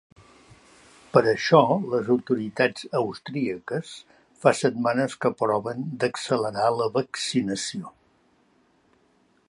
Per això, les autoritats austríaques fa setmanes que proven d’accelerar la vaccinació.